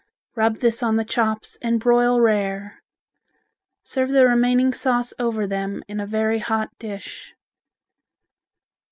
Rub this on the chops and broil rare. Serve the remaining sauce over them in a very hot dish.